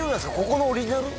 ここのオリジナル？